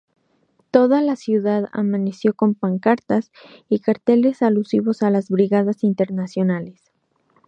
Toda la ciudad amaneció con pancartas y carteles alusivos a las Brigadas Internacionales.